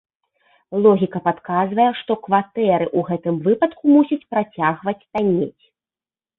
Логіка падказвае, што кватэры ў гэтым выпадку мусяць працягваць таннець.